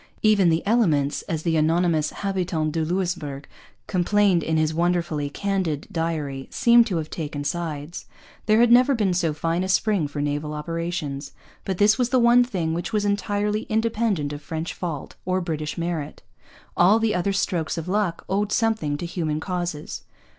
Even the elements, as the anonymous Habitant de Louisbourg complains in his wonderfully candid diary, seemed to have taken sides. There had never been so fine a spring for naval operations. But this was the one thing which was entirely independent of French fault or British merit. All the other strokes of luck owed something to human causes.